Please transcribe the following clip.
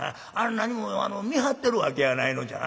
なにも見張ってるわけやないのじゃ。